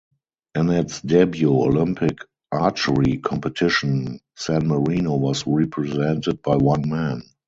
In its debut Olympic archery competition, San Marino was represented by one man.